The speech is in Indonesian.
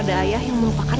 dan aku harap